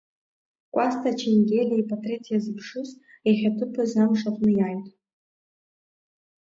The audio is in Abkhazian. Кәасҭа Ченгелиа ипатреҭ иазыԥшыз, иахьаҭыԥыз амш аҟны иааит.